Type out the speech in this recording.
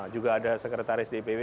juga ada sekretaris dpw